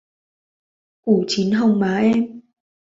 ủ chín hồng má em